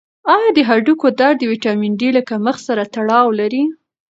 آیا د هډوکو درد د ویټامین ډي له کمښت سره تړاو لري؟